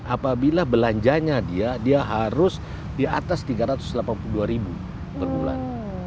apabila belanjanya dia dia harus di atas rp tiga ratus delapan puluh dua ribu per bulan